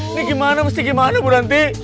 ini gimana mesti gimana bu nanti